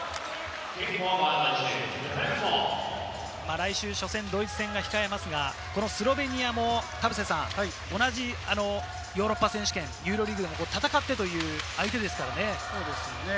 来週、初戦・ドイツ戦が控えますが、スロベニアも同じヨーロッパ選手権、ユーロリーグで戦ってという相手ですからね。